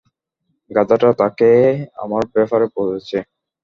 গাধাটা তাকে আমার ব্যাপারে বলেছে।